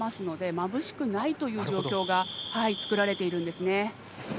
まぶしくないという状況が作られているんですね。